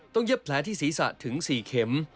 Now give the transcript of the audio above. ต้องเย็บแผลที่ศรีษะถึงสี่เข็ม